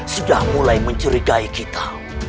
sudah mulai mencurigai kita